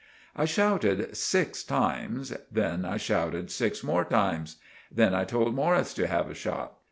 I shouted six times; then I shouted six more times; then I told Morris to have a shot.